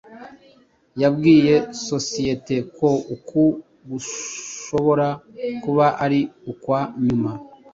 yabwiye sosiyete ko uku "gushobora kuba ari ukwa nyuma,